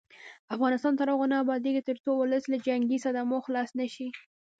افغانستان تر هغو نه ابادیږي، ترڅو ولس له جنګي صدمو خلاص نشي.